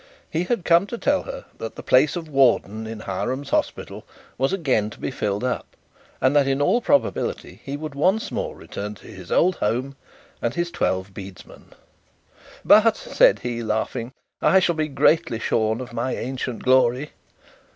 He had come to tell her that the place of warden in Hiram's hospital was again to be filled up, and that in all probability he would once more return to his old house and his twelve bedesmen. 'But,' he said, laughing, 'I shall be greatly shorn of my ancient glory.'